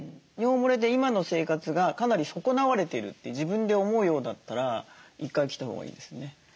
尿もれで今の生活がかなり損なわれてるって自分で思うようだったら１回来たほうがいいですね。